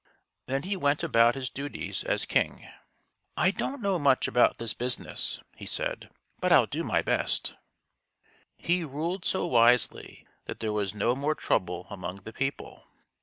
Then he went about his duties as king. " I don't know much about this business," he said, " but I'll do my best." He ruled so wisely that there was no more trouble among the people.